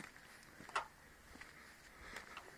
Hlasuji proto pro zprávu.